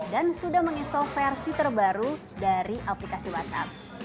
dan sudah mengisok versi terbaru dari aplikasi whatsapp